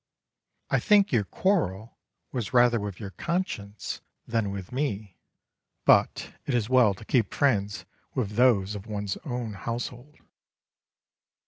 I think your quarrel was rather with your conscience than with me; but it is well to keep friends with those of one's own household.